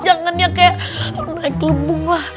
jangan ya kayak naik gelombung lah